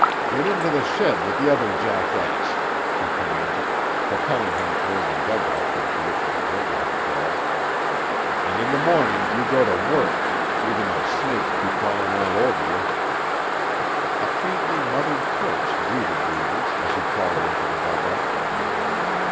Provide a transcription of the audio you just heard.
"Get into the shed with t'other jackass," he commanded, propelling him toward the dugout into which MacGregor had crawled. "And in tuh morning you go to work, e'en though snakes be crawling all o'er 'ee." A faintly muttered curse greeted Reivers as he crawled into the dugout.